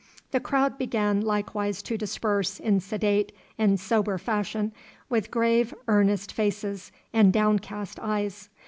The crowd began likewise to disperse in sedate and sober fashion, with grave earnest faces and downcast eyes.